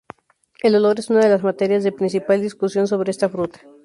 El olor es una de las materias de principal discusión sobre esta fruta.